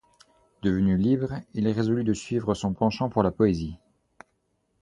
Devenu libre, il résolut de suivre son penchant pour la poésie.